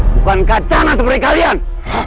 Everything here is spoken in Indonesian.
bukan kacana seperti kalian